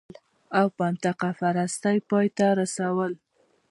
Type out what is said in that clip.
او منطقه پرستۍ پای ته رسول